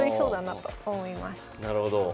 なるほど。